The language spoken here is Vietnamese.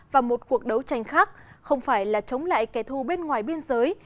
và một cuộc đấu tranh khác không phải là chống lại kẻ thù bên ngoài biên giới